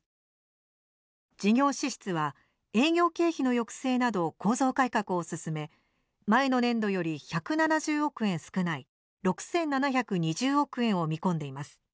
事業支出は営業経費の抑制など構造改革を進め前の年度より１７０億円少ない６７２０億円を見込んでいます。